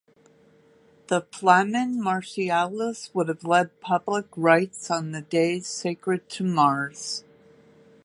The Flamen Martialis would have led public rites on the days sacred to Mars.